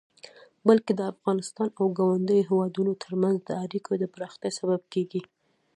بلکې د افغانستان او ګاونډيو هيوادونو ترمنځ د اړيکو د پراختيا سبب کيږي.